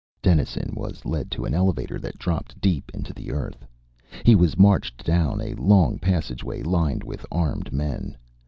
Dennison was led to an elevator that dropped deep into the Earth. He was marched down a long passageway lined with armed men.